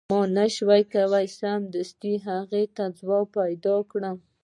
ما نه شو کولای سمدلاسه هغې ته ځواب پیدا کړم.